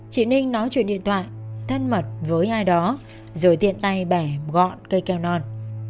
chị ninh nói chuyện điện thoại thân mật với ai đó rồi tiện tay bẻ gọn cây keo non